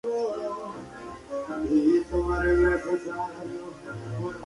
Dentro de una taberna sevillana espera un joven guerrillero, Antonio Navarro.